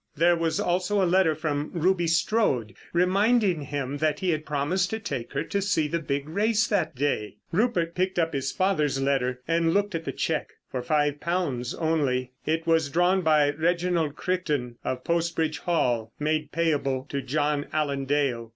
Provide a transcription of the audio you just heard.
There was also a letter from Ruby Strode, reminding him that he had promised to take her to see the big race that day. Rupert picked up his father's letter and looked at the cheque. For five pounds only. It was drawn by Reginald Crichton, of Post Bridge Hall, made payable to John Allen Dale.